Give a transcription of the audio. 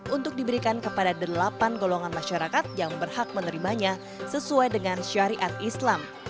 untuk diberikan kepada delapan golongan masyarakat yang berhak menerimanya sesuai dengan syariat islam